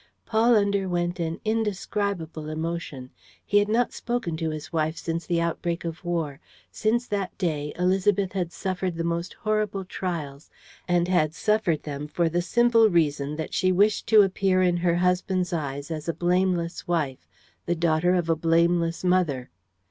Paul underwent an indescribable emotion. He had not spoken to his wife since the outbreak of war. Since that day, Élisabeth had suffered the most horrible trials and had suffered them for the simple reason that she wished to appear in her husband's eyes as a blameless wife, the daughter of a blameless mother.